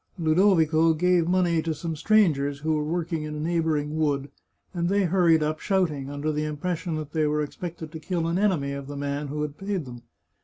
Ludovico gave money to some strangers who were working in a neighbouring wood, and they hur ried up, shouting, under the impression that they were ex pected to kill an enemy of the man who had paid them.